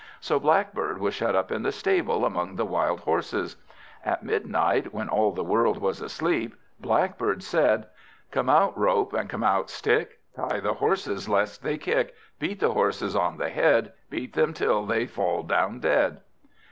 So Blackbird was shut up in the stable, among the wild Horses. At midnight, when all the world was asleep, Blackbird said "Come out, Rope, and come out, Stick, Tie the Horses lest they kick; Beat the Horses on the head, Beat them till they fall down dead."